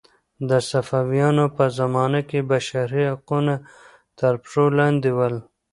د صفویانو په زمانه کې بشري حقونه تر پښو لاندې ول.